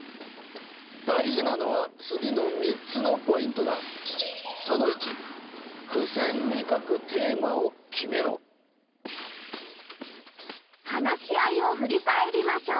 大事なのは次の３つのポイントだ！話し合いをふり返りましょう。